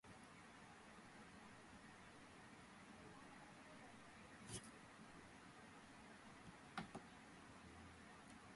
კოშკის გარშემო მიწის დონე აწეულია, იქვე, ჩრდილოეთი კედლის ახლოს, შემორჩენილია კედლის ფრაგმენტი.